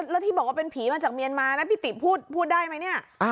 แล้วที่บอกว่าเป็นผีมาจากเมียนมานะพี่ติพูดได้ไหมเนี่ย